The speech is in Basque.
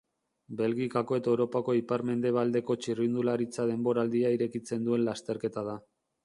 Belgikako eta Europako ipar-mendebaldeko txirrindularitza denboraldia irekitzen duen lasterketa da.